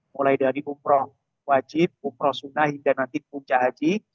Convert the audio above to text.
mulai dari umroh wajib umroh sunnah hingga nanti puncak haji